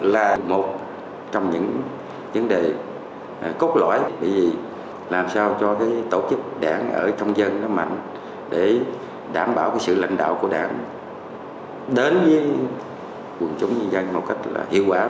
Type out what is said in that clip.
là một trong những vấn đề cốt lõi vì làm sao cho tổ chức đảng ở trong dân nó mạnh để đảm bảo sự lãnh đạo của đảng đến với quân chúng nhân dân một cách hiệu quả